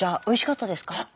おいしかったですか？